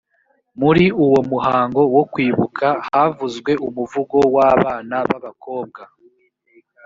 muri uwo muhango wo kwibuka havuzwe umuvugo w abana b abakobwa